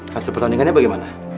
hasil pertandingannya bagaimana